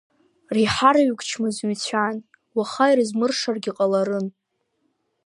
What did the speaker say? Реиҳараҩык чмазаҩцәан, уаха ирызмыршаргьы ҟаларын.